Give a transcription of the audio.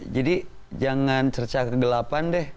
jadi jangan cercah kegelapan deh